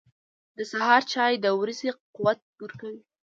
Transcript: • د سهار چای د ورځې قوت ورکوي.